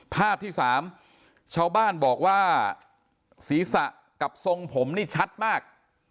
ภาพที่สามชาวบ้านบอกว่าศีรษะกับทรงผมนี่ชัดมาก